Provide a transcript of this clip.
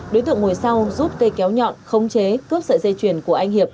đối tượng ngồi sau rút cây kéo nhọn khống chế cướp sợi dây chuyền của anh hiệp